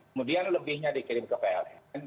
kemudian lebihnya dikirim ke pln